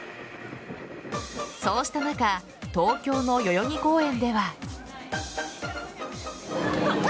そうした中東京の代々木公園では。